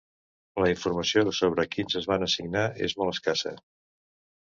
La informació sobre quins es van assignar és molt escassa.